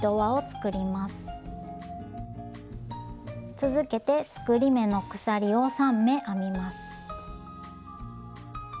続けて作り目の鎖を３目編みます。